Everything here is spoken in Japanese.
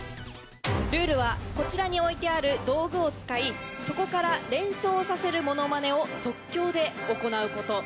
ルールはこちらに置いてある道具を使いそこから連想させるものまねを即興で行うこと。